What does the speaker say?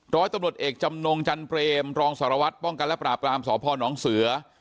ร้อยตำรวจเอกจำนงจันเปรมรองสารวัตรป้องกันและปราบรามสพนเสือ